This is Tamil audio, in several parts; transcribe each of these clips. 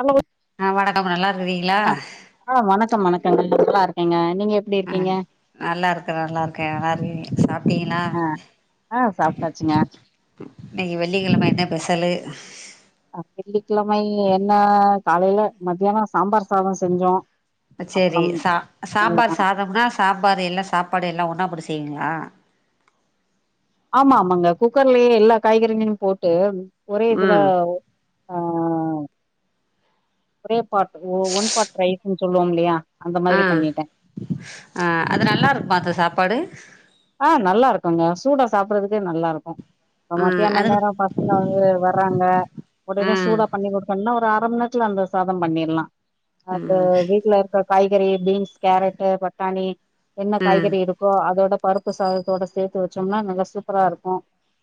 அலோ ஆ வணக்கம் நல்லா இருக்கிறீங்களா ஆ ஆ வணக்கம் [unintelligible] நா நல்லா இருக்கேங்க நீங்க எப்டி அ இருக்கீங்க நல்லா இருக்க நல்லா இருக்க சாப்ட்டீங்களா ஆ ஆ சாப்ட்டாச்சுங்க இன்னிக்கு வெள்ளிக்கெழம என்ன ஸ்பெசல்லு வெள்ளிக்கிழமை என்ன காலைல மத்தியானோ சாம்பார் சாதோ செஞ்சோ சேரி அப்பளம் சா சாம்பார் அவ்ளோதா சாதம்னா சாம்பார் எல்லா சாப்பாடு எல்லா ஒண்ணா போட்டு செய்வீங்களா ஆமா ஆமாங்க குக்கர்லயே எல்லா காய்கறிங்களு போட்டு ஒரே இதுல ம் ஆ ஒரே பார்ட் ஓ ஒன் பார்ட் ரைஸ்னு சொல்லுவோமில்லயா ஆ ஆ அது நல்லாருக்குமா அந்த சாப்பாடு ஆ நல்லா இருக்குங்க சூடா சாப்புறதுக்கே நல்லா இருக்கு ப ம் மத்தியான அதுக்கு நேரொ பசங்க வந்து வர்றாங்க ஒடனே ம் சூடா பண்ணி குடுக்கன்னா ஒர் அரம்மண் நேரத்துல அந்த சாதம் பண்ணிர்லா அது ம் வீட்ல இருக்க காய்கறி பீன்ஸ் கேரட்டு பட்டானி என்ன ம் காய்கறி இருக்கோ அதோட பருப்பு சாதத்தோட சேத்து வச்சொம்னா நல்ல சூப்பரா இருக்கு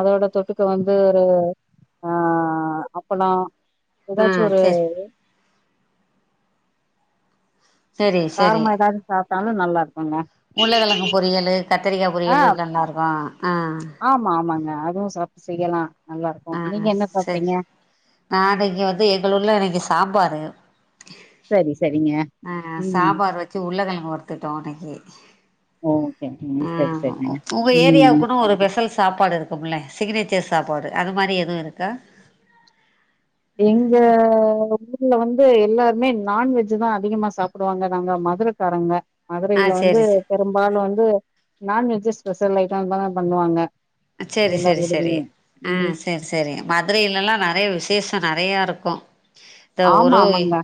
அதோட தொட்டுக்க வந்து ஒரு ஆ அப்பளொ எதாச்சு ம் ஒரு சேரி காரமா எதாது சாப் ட்டாலு நல்லாருக் உள்ளகெழங்கு பொரியலு கத்தரிக்கா ஆ பொரியலு இந்த மார்தா ஆமா ஆமாங்க அதுவு சாப் செய்யலா நல்லா இருக்கு அ நீங்க என்ன செர் சாப்ட்டீங்க நா இன்னக்கி வந்து எங்களுல்ல இன்னக்கி சாம்பாரு சரி சரிங்க அ ம் சாம்பார் வச்சு உருளகெழங்கு வறுத்துட்டோ இன்னக்கி ஓகே ம் ஆ சரி சரிங்க உங்க ம் ஏரியாவுக்குன்னு ஒரு பெஸல்ஸ் சாப்பாடு இருக்கும்ல சிக்னேச்சர் சாப்பாடு அது மாரி எதுவு இருக்கா? எங்க ஊ ர்ல வந்து எல்லாருமே நான்வெஜ்ஜு தா அதிகமா சாப்புடுவாங்க நாங்க மதுரக்காரங்க ஆ மதுரைல வந்து சேரி சே பெரும்பாலு வந்து நான்வெஜ்ஜு ஸ்பெஷல் ஐட்டொ இது மார்தா பண்ணுவாங்க செரி எல்லார் செரி செரி வீடுகள்லயும். அ ம். செர் செரி மதுரைலல்லா நெறைய விஷேஷ நெறைய இருக்கு த ஆமா, ஒரோய் ஆமாங்க.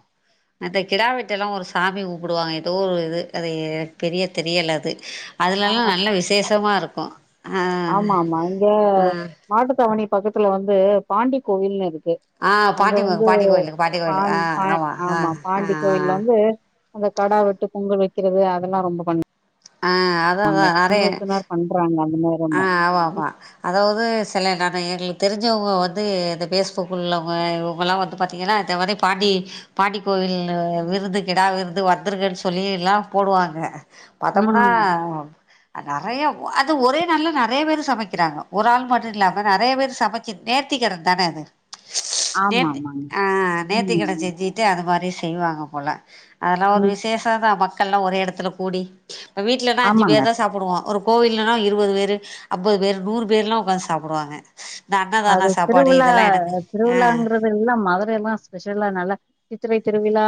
அந்த கெடா வெட்டல்லா ஒரு சாமி கு ம்பிடுவாங்க எதோ ஒ இது அது எ பெரிய தெரியல அது ஆ அதுலல்லா நல்ல விசேஷமா இருக் கு ஆஹ் மா இங்க மாட்டு தாவணி பக்கத்துல வந்து பாண்டி கோவில்னு இருக்கு கு ஆ அங்க பாண்டி வந்து பாண்டி கோயிலுக்கு பாண்டி பா கோயிலுக்கு ஆ பா ஆ ஆமா ஆ பாண்டி ஆ கோயிலந்து அங்க கடா வெட்டு பொங்கல் வைக்கிறது அதெல்லா ரொம்ப பண்ணு ஆ அதாதா அதே பண்றாங்க அந்த ஆ நேரமா. ஆமா ஆமா அதாவது செல நெநயல் தெரிஞ்சவங்க வந்து இந்த பேஸ்புக்கு உள்ளவங்க இவங்கலா வந்து பார்த்தீங்கன்னா இதமாரி பாண்டி பாண்டி கோயில விருந்து கிடா விருந்து ரு வத்தருகன் சொல்லி எல்லா போடுவாங்க பத்த குனா ம். நறயா அது ஒரே நாள்ல நறய பேர் சமக்கிறாங்க ஒரு ஆள் மட்டு இல்லாம நறய பேரு சமச்சு நேத்திக்கடன் தானே அது நேத்தி ஆமாமாங்க. ஆ ம். நேத்திக்கட செஞ்சுட்டு அது மாரி செய்வாங்க போல அதலா ஒரு ம். விசேஷ தா கல்லா ஒரே எடத்துல கூடி இப்ப வீட்லனா ஆமாங்க. அஞ்சுபேர் தா சாப்டுவோ ஒரு கோவில்லனா இருவது வேர் அம்பது பேரு நூறு பேருலா உக்காந்து சாப்டுவாங்க அது திருவுழா ஆ திருவுழாங்கறதுல்லா மதுரயலா ஸ்பெஷலா நல்லா சித்திரை திருவிழா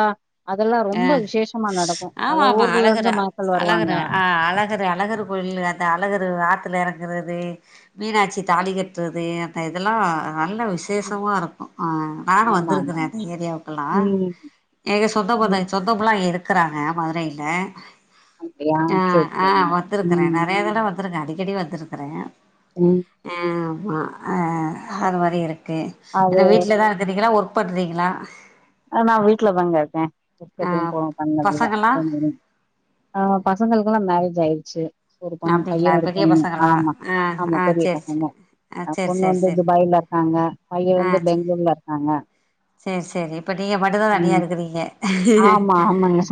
அதெல்லா அ ரொம்ப விசேஷமா நடக்கு பல ஆமாமா ஊர்ல இருந்து அழகரா மக்கள் வருவாங்க அழகரு ஆ அழகரு அழகரு கோயிலு த அழகரு ஆத்துல எறங் ங்கறது மீனாட்சி தாளி கட்றது இதல்லா நல்ல ம். விசேஷமா இருக்கு அ நானு அ ஆமா ஆமா வந்துருக்கறே அந்த ஏரியாவுக்கல்லா ம் எங்கசொ [unintelligible] ம் சொந்தம்லா இருக்கு க்றாங்க மதுரைல அப்டியா அ சேரி அ சேரிங்க வந்துருக்கறே ம் நறய தடவ வந் ந்ருக்க அடிக்கடி வந்துருக்குற ம் அ ம் அ அது மாரி இருக்கு ய அது என்ன வீட்டுல தா வந்துட்டிங்களா ஒரு ப்படுறீங்களா நா வீட்டு்ல தாங்க இருக்கே ஆ [unintelligible] பண்ணதில்ல பசங்கள்லா [inaudible] ஆ பசங்களுக்கெல்லா மேரேஜ் ஆயிர் ச்சு ஒரு பொண் பைய அப்டிங்களா ஒரு பெரிய பொண்ணு பசங்களா ஆமா ஆ ஆமா ஆ பெரிய சேரி சேரி பசங்க ஆ சேரி பொண்ணு சேரி வந்து சேரி துபாய்ல இருக்காங்க பைய வந்து பெங்களூர்ல இருக்காங்க செர் செரி இப்ப நீங்க மட்டுந்தா தனியா ம் இருக்குறீங்க ஆமா ஆமாங்க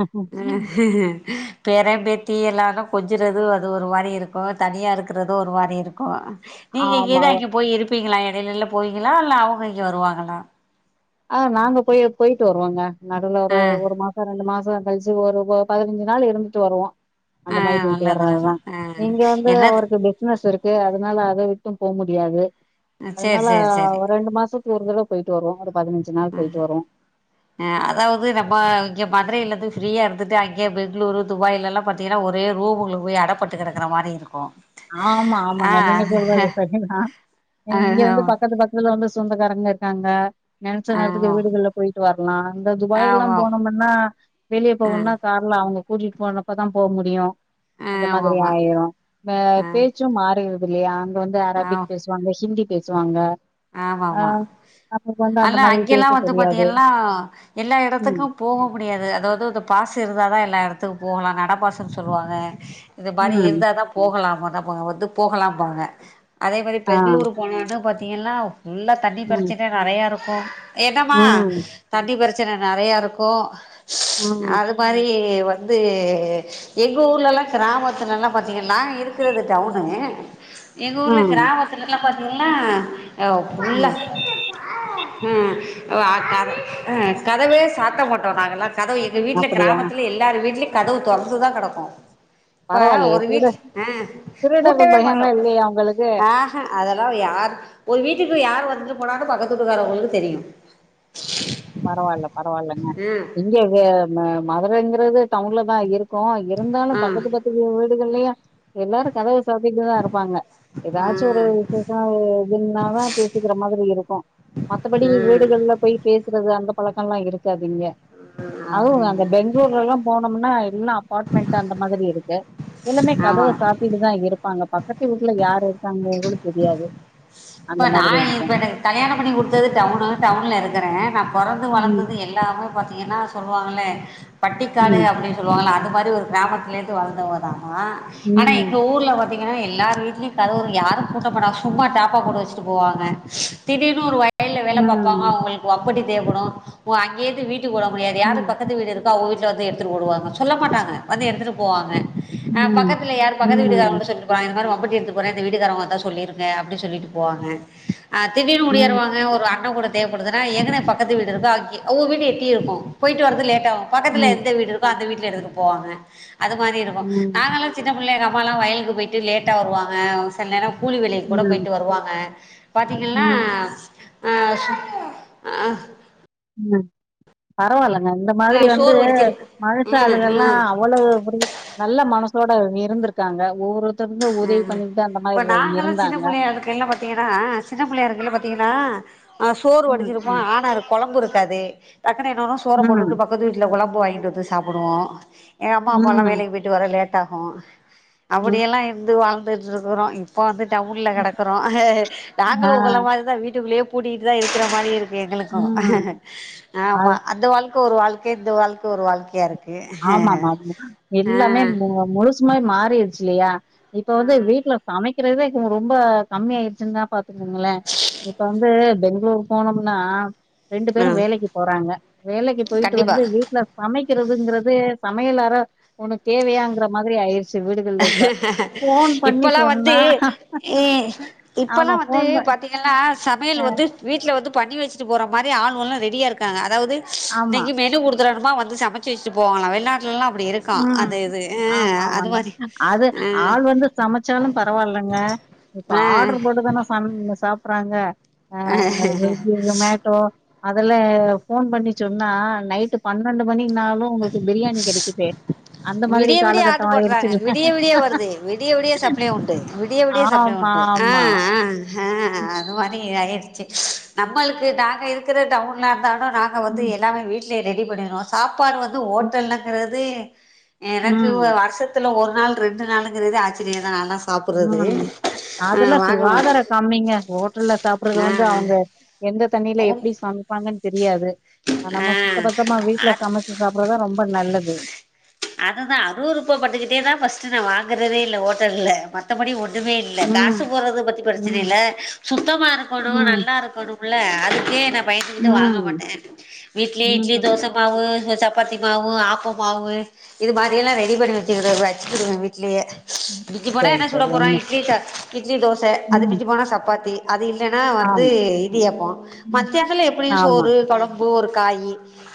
பேரம் பேத்தி எல்லாரு கொஞ்சுறது அது ஒரு மாரி இருக்கு தனியா இருக்குறது ஒரு மாரி இருக்கு நீங்க ஆமா இங்கேந்து அங்க போய் இருப்பீங்களா எ வேலெல்ல போவிங்களா இல்ல அவுங்க இங்க வருவாங்களா? ஆ நாங்க போய் போயிட்டு வருவோங்க நடுல ஒரு ஆ ஒரு மாச ரெண்டு மா ச கழ்ச்சு ஒரு வ பதுனஞ்சு நாள் இருந்துட்டு வருவோ அந்த ஆ மாரி போயிட்டு நல்லது நல்லது வர்றதுதா ஆ இங்க வந்து என்னது அவருக்கு பிசினஸ் இருக்கு அதனால அத விட்டும் போ முடியாது சேரி அதுனால சேரி ரெண்டு மாசத்து ஒரு தடவ போய் ட்டு வருவோ ஒரு பதினஞ்சு நாள் ம் போயிட்டு வருவோ அ அதாவ்து நம்ம இங்க மதுரைலெந்து ஃப்ரீயா இருந்துட்டு அங்கே பெங்களூரு துபாய்லலா பாத்திங்கனா ஒரே ரூம் உள்ள போய் அடப்பட்டு கெடக்குற மாரி இருக்கு ஆமா ஆ ஆமாங்க நீங்க சொல்றது சரிதா ஆ இங்க வந்து ஆ பக்கத்து பக்கத்துல வந்து சொந்தக்காரங்க இருக்காங்க நெனச்ச நேரத்துக்கு வீடுகள்ல போயிட்டு வர லா அந்த துபாயில்லா ஆமா போனொமன்னா வெளிய ஆ போகொன்னா கார்ல அவுங்க கூட்டிட் போனப்பதா போ முடியு அது மாதிரி ஆமாமா ஆயிரு அ ஆ பேச்சும் மா ரிர்தில்லயா அங்க வந்து அரபிக் பேசுவாங்க ஹிந்தி பேசுவாங்க ஆ ஆமமா நமக்கு வந்து அந்த ஆனா மாதிரி அங்கெல்லா பேச வந்து தெரியாது பாத்தீங்கள்னா எல்லா ம் எடத்துக்கு போக முடியாது அதாவ்து அந்த பாசு இருந்தாதா எல்லா எட த்துக் போலா நடபாசுன் சொல்லுவாங்க இது மாரி ம் இருந்தாதா போகலாமா நம்மங்க வந்து போகலாம்பாங்க அதே மாரி ஆ பெங்களூர் போனொன பாத் தீங்கன்னா முன்ன தண்ணி ம் பிரச்சன நிறையா இருக் ப்போ என்னமா ம் தண்ணி பிரச்சன ரச்சன நிறைய இருக்கு ச்சு ம் அது மாரி வந் வந்து எங்க ஊர்லலா கிராமத்துலலா பாத்தீங்கன்னா நா இருக்கிறது டவுனு எங்க ஊர்ல ம் கிராமத்துலலா பாத் ங்ன்னா அவ் புல்லா ம் ம் அ வ கத அ கதவே சாத்த மாட்டோ நாங்கள்லா கதவு எங்க வீட்ல அப்படியா கிராமத்துல எல்லார் வீட்லியு கதவு தொறந்துதா கடக்கு இப்ப பரவாயில்லையே ஒரு திருட வீட் ஆ திருடர்கள் புட்டவே மாட்டோ பயம்லா இல்லையா உங்களுக்கு ஆ ஹ அதெல்லா யார் வீட்டுக்கு யாரு வந்துட்டு போனான்னு பக்கத்துூட்டுக்காரவங்களுக்கு தெரியு பரவால்ல பரவால்லங்க ம் இங்க வே ம மதுரைங்கிறது டவுன்ல தா இருக்கு க்கோ இருந்தாலு ஆ பக்கத்து பக்கத்து வீட் ல்லையா எல்லாரு கதவ சபிங்கதாருப்பாங்க ஆ ஏதாச்சு ஒரு விசேச ஒரு டின்னதா பேசிகறமாரி இருக்கோ மத்தபடி ம் வீடுகல்லபோய் பேஸ் அந்த பழக்கம்லா இருக்காதீங்களே ஆ அதுவும் அந்த அப்டிங்களா பெங்களூர்ல எல்லா போனம்னா எல்லா அபார்ட்மெண்ட் அந்த மாதிரி இருக்கு எல்லாமே கதவ ஆமா சாத்திட்டுதா இருக் பாங்க பக்கத்து வீட்ல யாரு இருக்காங்கன்னு கூட தெரியாது அந்த இப்ப நா மாதிரி இப்ப இருக்கும். கல்யாண பண்ணி கொடுத்தது டவுனு டவுன்ல இருக்கறே நா பொறந்து ம், வளர்ந்தது எல்லாம் இப்ப பாத்தீங்கன்னா சொல்லுவாங்களே பட்டிக்காடு ம், அப்டி சொல்லுவாங்கள்ள அது மாரி ஒரு கிராமத்லேர்ந்து வளந்தவதா ஆ ஆனா ம், எங்க ஊர்ல பாத்தீங்கனா எல்லார் வீட்லயு கதவு யாரு பூட்டாபடாது சும்மா டப்பாபோடு சிட்டு போவாங்க திடீர்னு ஒரு வை வயல வேல பாப்பாங்க ம், அவங்களுக்வாங் எப்புடி தேவபடு ஓ அங்கேந்து வீட் டுக்கூட முடியாது ம். யாரு பக்கத்து வீடு இருக்கா [unintelligible] வந்து எடுத்துட்டு ஓடுவாங்க சொல்ல மாட்டாங்க வந்து எடுத்துட்டு போவாங்க அ ம். பக்கத்துல யார் பக்கத்து ம். வீட்டுக்காரங்கள்ட்ட சொல்ட்டு போவாங்க இந்த மாரி ஒங் மம்முட்டி எடுத்துட்டு போற இந்த வீட்டுக்காரவங்க வந்தா சொல்லிருங்க அப்டி சொல்லிட்டு போவாங்க அதுவே ம். ஒடியாருவாங்க ஒரு அன்னக்கூட தேவப்படுதுனா எங்கன்ன பக்கத்து வீடு இருக்கோ அங்கே அவுங்க வீட்லயு எட்டி இருக்கு போயிட்டு வர்றது லேட் டாகு பக்கத்துல ம். எந்த வீடுருக்கோ அந்த வீட் அந்த எடத்துக்கு போவாங்க அத மாரியிருக்கு ம். நாங்களா சின்ன புள்ளைங்க அம்மாலா வயலுக்கு போயிட்டு லேட்டா வருவாங்க ஒருசில நேரோ கூலி வேலைக்கு கூட ம். போயிட்டு வருவா ங்க பாத்தீங்கன்னா ம். அ சுத் அ ம்மு பரவால்ல நீங்க அந்த மாதிரி ஆ, வந்து சோறு வடிச்சிருப்போம் ம் மனசாளுகல்லா ம் அவ்வளவு நல்ல மனஸ் உங்களோட இருந்துருக்காங்க ஒவ்வொரு ம் இப்ப நாங்கல்லா சின்ன இருந்தாங்க. புள்ளையா இருக்கையில பாத்தீங்கன்னா சின்ன புள்ளையா இருக்கில பாத்தீங்கன்னா அ சோறு ம். வடிச்சிருப்போ ம். ஆனா ரு கொழம்புருக்காது டக்குனு என்னோரு சோற ம். போட்டுட்டு பக்கத்து வீட்டுல கொழம்பு வாங்கி இது இது சாபுடுவோ எ அம்மா பல ம். வேலைக்கு போயிட்டு வர லேட் டாகு ம். அப்படியெல்லா இர் ந்து வாழ்ந்துட்ருக்குறோ இப்ப வந்துட் டவுன்ல கெடக்குறோ ஆ. நாங்களு உங்க மாரிதா வீட்டுக்குள்ளயேப் கூட்டிகிட்டுதா இருக்குற மாரி இருக் எங்களுக்கு ம். ஆமா அது அந்த வாழ் கு ஒரு வாழ்க்கை இந்த வாழ்க்க ஒரு வாழ்க்கியா இருக்கு ஆமாமாம் ஆ எல்லாமே மு மு முழுஸ் நிஜம்மாவே மாறிடுச் இல்லையா இப்ப ஆ வந்து வீட்ல சமைக் பிறகு இதுங்க ரொம்ப கம்மி ஆய்ட்சின்தா பாத் துங்குங்களே இப்ப வந்து பெங்களூர் போனோம்னா ரெண்டு ஆ பேரு வேலைக்கு போறாங்க வேலைக்கு போயிட்டு வந்து கண்டிப்பா வீட்ல சமைக் க்றதுங்கறது து சமையலற ஒனக் தேவையாங்கற மாதிரி ஆயிருச் இப்பல்லா வந்து சொன்னா இ இப்பல்லா ஆமா வந்து ஃபோன் ப பாத்தீங்கன்னா சமையல் வந்து வீட்ல வந்துப் பண்ணி வச்சுட்டு போற மாரி ஆளுவல்லா ரெடியா இருக்காங்க அதாவது ஆமா நீங்க மெனு குடுத் வித விதமா வந்து சமச்சு வச்சுட்டு போவாங்களா வெள்னாட் லல்லா அப்படி இருக்கா ம் அது இது ஆ ஆமா அது ஆமாங்க மாரி அது ஆள் வந்து சமைச்சாலு பரவாயில்லங்க இப்ப ஆ ஆர்டர் போட்டு தான சாப் சாப்பறாங்க ஆ ஆ சுக்கி ஜொமேட்டோ அதுல ஃபோன் பண்ணி சொன்னா நைட்டு பன்னண்டு மணி ன்னாலு உங்களுக்கு பிரியாணி கெடைக்குது அந்த மாதிரி விடிய விடிய ஆர்டரு காலகட்டம் போட்றாங்க ஆயிருச்சுல்ல விடிய விடிய வருது விடிய விடிய சப்ளை உண்டு விடிய விடிய சப்ளை ஆமா, உண்டு ஆ ஆமா. ஆ ஹா அது மாரி மணி ஆயிடுச்சு நம்மளுக்கு நாங்க இருக்குற டவுன்ல தா ஆ நாங்க வந்து ம், எல்லாமே வீட் ட்லே ரெடி பண்ணிருவோ சாப் பாடு வந்து ம், ஹோட்டல்னுங்கிறது தே எனக்கு வ ம், வருஷத்துல ஒரு நாள் ரெண்டு நாளுங்கிறதே ஆச்சரியொ ம் ஆ அதெல்லா வாங்க சுகாதார மாட்டேன் கம்மிங்க ஹோட்டல்ல சாப்பட்றது ஆ வந்து அவங்க ஆ எந்த தண்ணில உன் எப்படி சமைப்பாங்கன்னு தெரியாது ஆ நம்ம சுத்த பத்தமா வீட்ல அது சமைச்சு சாப்பட்றதுதா ரொம்ப நல்லது அதுதா அறுவறுப்ப பட்டுக்கிட்டே தா பஃஸ்ட்டு நா வாங்கறதே இல்ல ஹோட்டல்ல மத்தபடி ஒன் துமே இல்ல ம், காசு போறது பத்தி பிரச்சன ம், இல்ல சுத்தமா இருக்கணு ம், நல்லா இருக்கணும்னு ல்ல அதுக்கே என்ன பயந்துக்கிட்டு வாங்க ம், மாட்டே வீட்லயே இட்லி ம். தோச மாவு இந்த சப்பாத்தி மாவு ஆப்ப மாவு இது மாரியெல்லா ரெடி பண்ணி வச்சுக்கற வச்சுகிடுவே வீட்லயே மிஞ்சி போனா சரி, என்ன சுட சரி. போறா உண்ம. இட்லி ச இட்லி தோச ம். அதுக்மிஞ்சி போனா சப்பாத்தி அது இல் லன்னா வந்து ஆமா, இடியப்பொ ம். மத்யாத்துல எப்புடியு ஆமா. சோறு கொழம்பு ஒரு காயி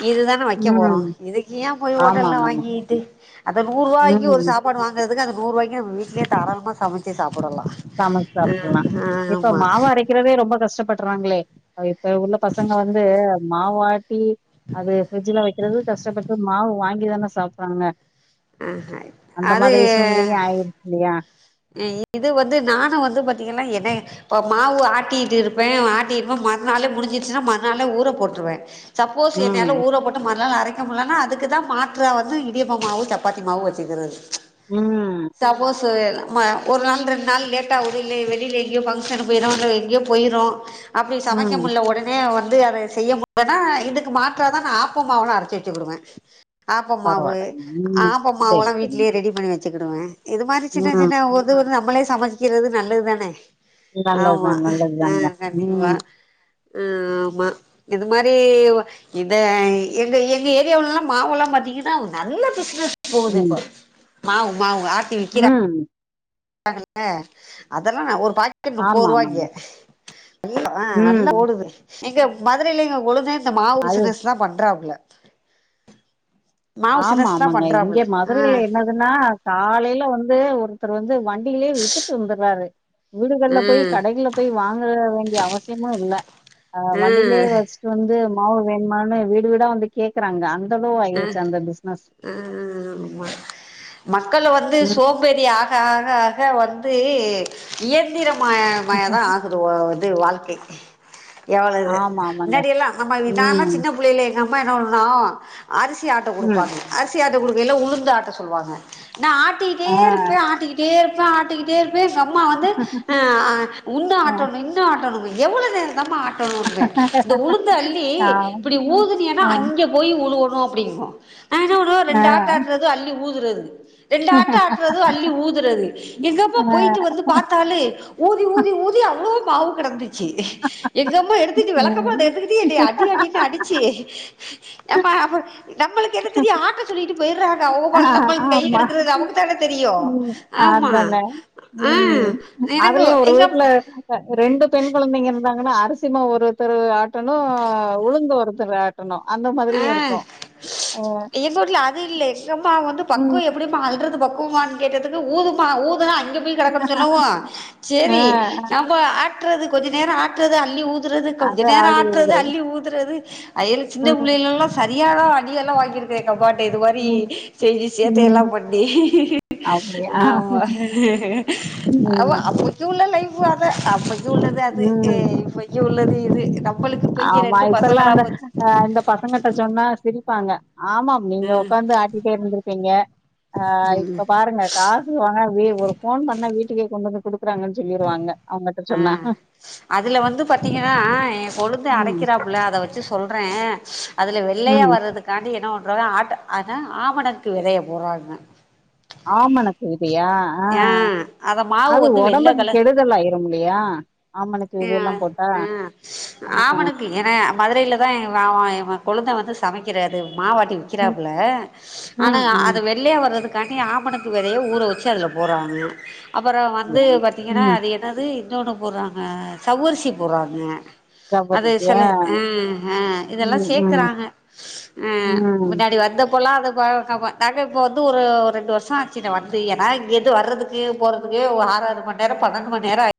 இதுதான வக்க போறொ ம். இதுக்கு ஏ போய் ஹோட்டல்ல ஆமாமாங்க. வாங்கி ட்டு அந்த நூறுவாய்க்கு ம். ஒரு சாப்பாடு வாங்குறது இத அத நூறுவாய்க்கு நம் வீட்லயே தாராளமா சமச்சு சாப் சமச்சு சாப்ட்றலா இப்ப ஆமா மாவு அரைக்கிறதே ரொம்ப கஷ்டப்ப ட்றாங்ளே அ இப் ப உள்ள பசங்க வந்து மாவாட் டி அது ஃபிரிட்ஜில வக்கிறது கஷ்டப்பட்டு மாவு வாங் கிதானெ சாப்றாங்க ஆஹ அது ஆயிருச்சு இல்லையா அ இது வந்து நானு வந்து பாத்தீங்கன்னா என்ன இப்ப மாவு ஆட்டிட்டிருப்பே ஆட்டிருப்பே மறுநாளே முடிஞ்சிருச்சுன்னா மறுநாளே ஊற போட்ருவே சப்போஸ் என்னயால ம் ஊற போட்டு மறுநாள் அரை க்க முல்லனா அதுக்கு தா மாற்றா வந்து இடியப்பமாவு சப்பாத்தி மாவு வச்சுக்குறது ம் [unintelligible] ம ஒரு நாள் ரெண் நாள் லேட் ஆவுது இல்லை வெளில எங்யு பங்ஷனு போயிரொ இல்ல எங்கெயோ போயிரோ அப்டி சமைக்க ம் முல்ல ஒடனே வந் து அத செய்ய முல்லன்னா இதுக்கு மாற்றாதா நா ஆப்பமாவல்லா அரச்சு வச்சுக்கிடுவே ஆப்ப மாவு பரவால்லங்க ம் ஆப்ப செரி மாவுல்லா செரிங்க வீட்லயே ரெடி பண்ணி வச் சுக்கிடுவே இது மாரி சின்ன ம் சின்ன ஒதவு நம் மளே சமைக்கிறது நல்லது தானெ நல்லதுதா நல்லதுதாங்க கண்டிப்பா ம் ஆ ஆமா இது மாரி இந்த எங்க எங்க ஏரியாவுலல்லா மாவெல்லா பாத்தீங்கன்னா நல்ல பிசினஸ் ம் போதிப்ப மாவு மாவு ஆ ம் [inaudible] அதெல்லா ஒரு பாக்கெட் நுப்பது ஆமா ஆமாங்க ரூவாய்க்கு நல்லா ஆ ம் நல்லா ஓடுது. இங்க மதுரைல எங்க கொழுந்த இந்த மாவு அது பிசினஸ்தா பண்றாப்ல. ஆமா பிசினஸ் தா ஆமாங்க. பண்றாப்புல இங்க ஆ மதுரைல என்னதுன்னா காலைல வந்து ஒரு த்தர் வந்து வண்டியிலயே வித்துட்டு வந்தர்றாரு வீடுகள்ல போய் ம் கடைகள்ல போய் வாங்கற வேண்டிய அவசியமு இல்ல. ஆ வண்டியிலயே வச்சுட்டு வந்து மாவு வேணுமான்னு வீடு வீடா வந்து கேக்கறாங்க அ அங் [unintelligible] ஆ ஆ ஆமா மக்கள வந்து ம். சோம்பறி ஆக் ஆக ஆக வந்து இயந்திர ம மயந்தா ஆகுது வ வந்து வாழ்க்கை. எவ்ளது ஆமா, ஆமாங்க. மின்னாடியெல்லா நம்ம விடாம ம். சின்ன புள்ளைல்ல எங்க அ ம்மா என்ன பண்ணு அரிசி ஆட்ட ம். குடுப்பாங்க. அரிசி ஆட் ட குடுக்கயில உளுந்து ஆட்ட சொல்லுவாங்க. நா ஆட்டிட்டே ஆ. இருப்பே ஆட்டிக்கிட்டே இருப் பே ஆட்டிக்கிட்டே இரு ப்பே எங்கம்மா வந்து ஆ அ உன்னு ஆ. ஆட்டணு இன்னு ஆட்டணுங்கு எவ்வள வுதாம்மா ஆட்டணும்பே. இந்த உளுந்த அள்ளி ஆ. இப்டி ஊதுனியனா ஆ. அங்க போயி உழுவ னு அப்டிங்கு. நா என்ன பண்ணுவ ஆ. ரெண்டு ஆட்டு ஆட்றது அள்ளி ஊதுற து ரெண்டு ஆட்டு ஆட்றது அள்ளி ஊதுறது எங்கப்பா ஆ. போயிட்டு வந்து பாத்தாலே ஊதி ஊதி ஊதி அவ்ளோ மாவு கெடந்து ச்சு எங்கம்மா எடுத்துட்டு வெளக்கமாத்த எடுத்துக்கிட்டு என்ன அடி அடின்னு அடிச்சு எம்மா நம்மளுக்கு என்ன தெரியும் ஆட்ட சொல்லிட்டு போயிர்ரா ஆஹ் ஆமா தெரியு உம் ஆமா அதானே ஆ உம் எனக்கு அதலேயே ஒரு எங்க வீட்டுல ரெ ரெண்டு பெண் குழந்தைங்க ந்தாங்கன்னா அரிசிமாவு ஒருத்தரு ஆட்டனும் உழுந்து ஒருத்தரு ஆட்டணு ஆஹ்... ஏ உர்ல அது இல்ல மா வந்து பக்க ம். எப்படிமா அல்றது பக்க குமார் கேட்டதுக்கு ஊதும்ம ஊதுனா அங்கே போய் கிடக்கு சொல்லுவம் ஆ சரி நப்ப ஆ ஆட்ரது கொஞ்ச நேர ஆற்றது அள்ளி ஊ திருது கொஞ்ச அது நேர ஆடி ஆட்டுறது விழுகுறது. அள்ளி ஊதுறது அ சி ம், புள்ளிகலெல்லா சரி அாம் அடிெல்லாம் [unintelligible] வாங்கிருக்கு உங்கப்பாட்டு இது மாரி ம், செஞ்சு சேத்து ம். எல்லாம் பண்ணி அப்படியா? [inaudible] ஆமா அ ம், அப்ப இது உள்ள லை [unintelligible] அப்ப இது உள்ளது அது ஏ ம். பைய உள்ளது ம் [unintelligible] ஆமா இப்பெல்லா அந்த பசங் பசங்கட்ட சொன்னா சிரி ப்பாங்க ஆமாம் நீங்க ம் உக்காந்து ஆட்டிட்டே இருந்திருப்பீங்க ஆஹ் இப்ப பாருங்க காசு வாங்க உ ஒரு போன் பண்ணா வீட்டுக்கே கொண்டு வந்து கொடுக்குறாங்க சொல்லிருவாங்க அவங்கட்ட சொன்னா அதில வந்து பாத்தீங்கன்னா பொளுந்து ம், அரைக்கிறாபுள அத வச்சு சொல்றேன் அதுல வெள்ளையா ம். வர்றதுக்காண்டி என்ன அப்பதான் ஆட்ட அதன ஆம ணனுக்கு விதய போறாங்கங்க ஆமணக்கு விதையா ஆ ஆஹ் அத மாவு அது வந்து வெள்ள ஒடம்புக்கு கலர் கெடுதல் ஆயிரும் இல்லையா? ஆமணக்கு அஹ்.. விதையெல்லாம் போட்டா? ஆஹ்.. ஆமனுக்கு ஏ ன மதுரையிலதான் கொழுந்த வந்து சமைக்கிறாறு மாவட்டி ம் விக்கிறாப்புல ஆனா ம் ம் அது வெள்ளயா வர்றதுகு தணி ஆமணக்கு விதைய ஊற வச்சு க்கல்ல போறாங்க அப்புற வந்து அப்படியா? பாத்திங்கன்னா ம் அது என்னது இன்னொன்னு போட்றாங்க சவ்வரிசி போட்றாங்க அது சில ஆ ஆ இதெல்லாம் ம் ம் சேக்கறாங்க ஆ ம். மின்னாடி வந்த பொல்லாத ப கப நக இப்ப வந்து ஒரு ஒரு ரண்டு வருஷோ ஆச்சி நா வந்து நா இங்கயிருந்து வரதுக்கு போறதுக்கு ஆறு ஆறு மணி நேரொ பன்னண்டு மணி நேர ஆ